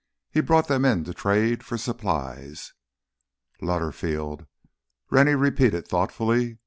He brought them in to trade for supplies." "Lutterfield," Rennie repeated thoughtfully.